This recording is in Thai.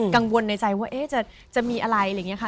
กังวลในใจว่าจะมีอะไรอะไรอย่างนี้ค่ะ